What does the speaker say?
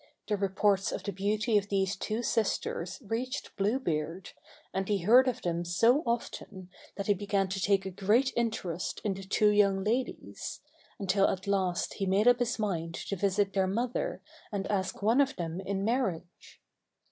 The reports of the beauty of these two sisters reached Blue Beard, and he heard of them so often that he began to take a great interest in the two young ladies, until at last he made up his mind to visit their mother, and ask one of them in marriage.